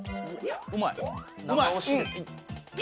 うまい。